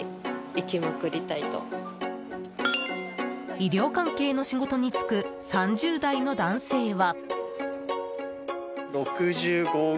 医療関係の仕事に就く３０代の男性は。